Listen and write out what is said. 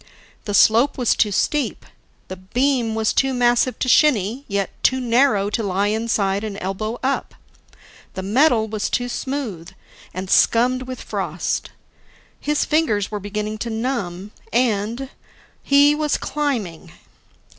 The slope was too steep. The beam was too massive to shinny, yet too narrow to lie inside and elbow up. The metal was too smooth, and scummed with frost. His fingers were beginning to numb. And he was climbing!